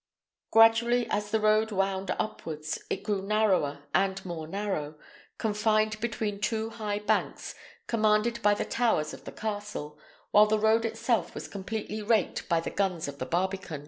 Gradually, as the road wound upwards, it grew narrower and more narrow, confined between two high banks, commanded by the towers of the castle, while the road itself was completely raked by the guns of the barbican.